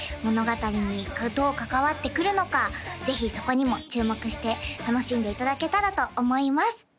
物語にどう関わってくるのかぜひそこにも注目して楽しんでいただけたらと思います